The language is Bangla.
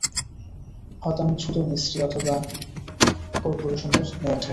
হতাম ছুতোর মিস্ত্রি অথবা করপোরেশনের মেথর।